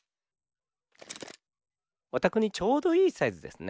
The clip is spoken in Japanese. おたくにちょうどいいサイズですね。